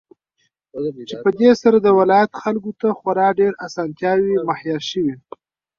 چې په دې سره د ولايت خلكو ته خورا ډېرې اسانتياوې مهيا شوې.